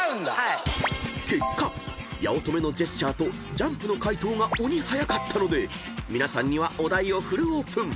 ［結果八乙女のジェスチャーとＪＵＭＰの解答が鬼早かったので皆さんにはお題をフルオープン］